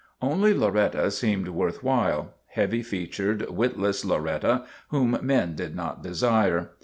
Only Loretta seemed worth while heavy featured, witless Loretta whom men did not desire.